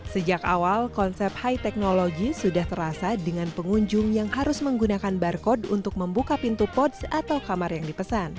sejak awal konsep high technology sudah terasa dengan pengunjung yang harus menggunakan barcode untuk membuka pintu pots atau kamar yang dipesan